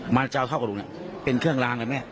มาเจ้าเท่ากับลูกเป็นเครื่องรางเลยแม่